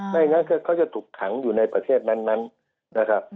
ไม่งั้นเขาจะถูกขังอยู่ในประเทศนั้นนะครับ